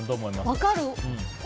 分かる！